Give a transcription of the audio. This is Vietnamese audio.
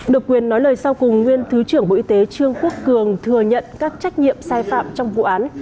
được quyền nói lời sau cùng nguyên thứ trưởng bộ y tế trương quốc cường thừa nhận các trách nhiệm sai phạm trong vụ án